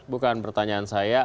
bukan pertanyaan saya